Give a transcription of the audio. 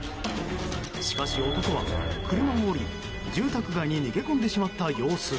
しかし男は車を降り、住宅街に逃げ込んでしまった様子。